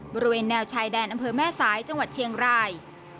บริเวณแนวชายแดนนัมเภอแม่สายเกษียนแรง